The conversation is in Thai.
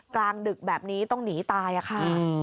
กลางดึกแบบนี้ต้องหนีตายค่ะ